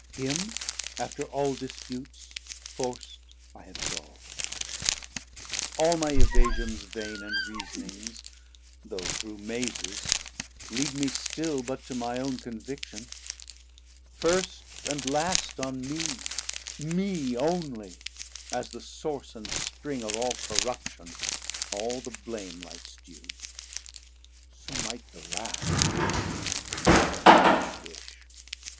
Him after all Disputes Forc't I absolve: all my evasions vain And reasonings, though through Mazes, lead me still 830 But to my own conviction: first and last On mee, mee onely, as the sourse and spring Of all corruption, all the blame lights due; So might the wrauth, Fond wish!